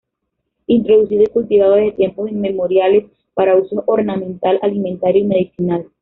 Introducido y cultivado desde tiempos inmemoriales para usos, ornamental, alimentario y medicinal.